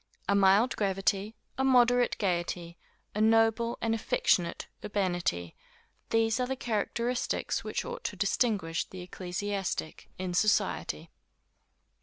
A mild gravity, a moderate gaiety, a noble and affectionate urbanity these are the characteristics which ought to distinguish the ecclesiastic, in society.